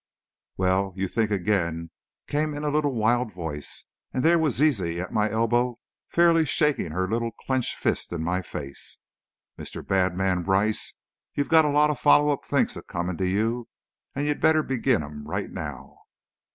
"Well, you think again!" came in a wild little voice, and there was Zizi at my elbow fairly shaking her little clenched fist in my face. "Mr. Badman Brice, you've got a lot of follow up thinks a coming to you, and you'd better begin 'em right now!"